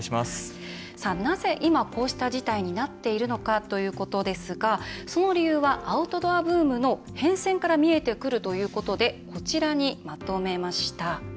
なぜ今、こうした事態になっているのかということですがその理由はアウトドアブームの変遷から見えてくるということでこちらに、まとめました。